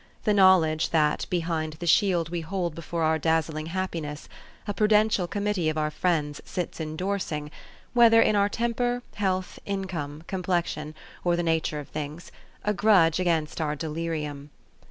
the knowledge, that, behind the shield we hold before our dazzling happiness, a prudential commit tee of our friends sits indorsing whether in our temper, health, income, complexion, or the nature THE STOKY OF AVIS. 239 of things a grudge against our delirium.